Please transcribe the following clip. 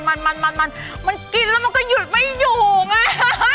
มันมันกินแล้วมันก็หยุดไม่อยู่ไง